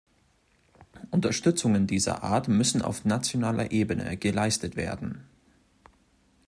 Unterstützungen dieser Art müssen auf nationaler Ebene geleistet werden.